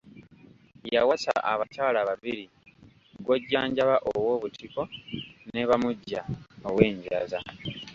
Yawasa abakyala babiri, Gwojjanjaba ow'Obutiko ne Bamugya ow'Enjaza.